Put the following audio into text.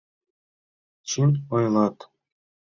Чын ойлат.